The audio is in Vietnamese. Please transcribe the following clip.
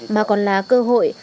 mà còn là cơ hội